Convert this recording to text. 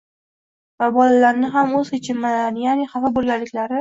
va bolalarni ham o‘z kechinmalarini, yaʼni xafa bo‘lganliklari